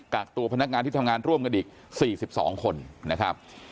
กตัวพนักงานที่ทำงานร่วมกันอีก๔๒คนนะครับ